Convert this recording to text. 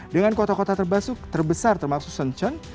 dengan kota kota terbesar termasuk senchen